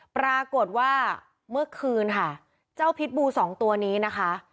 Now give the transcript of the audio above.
ปรากฏว่าเมื่อคืนค่ะเจ้าพิษบูสองตัวนี้นะคะ